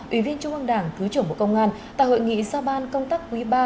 ủy viên trung ương đảng thứ trưởng bộ công an tại hội nghị sao ban công tác quý ba